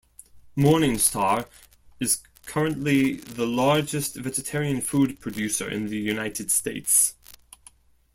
Morningstar is currently the largest vegetarian food producer in the United States.